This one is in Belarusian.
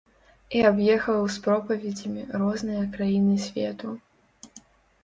І аб'ехаў з пропаведзямі розныя краіны свету.